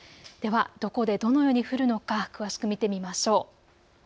では、どこでどのように降るのか詳しく見てみましょう。